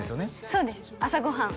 そうです朝ご飯